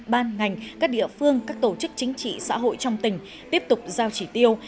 ban ngành các địa phương các tổ chức chính trị xã hội trong tỉnh tiếp tục giao chỉ tiêu